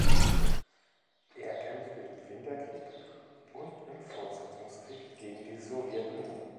Er kämpfte im Winterkrieg und im Fortsetzungskrieg gegen die Sowjetunion.